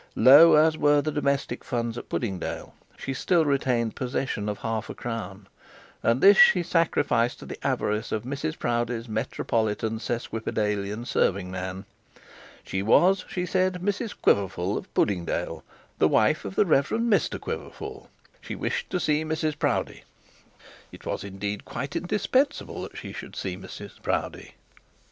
Low as were the domestic funds at Puddingdale, she still retained possession of a half crown, and this she sacrificed to the avarice of Mrs Proudie's metropolitan sesquipedalian serving man. She was, she said, Mrs Quiverful of Puddingdale, the wife of the Rev. Mr Quiverful. She wished to see Mrs Proudie. It was indeed quite indispensible that she should see Mrs Proudie.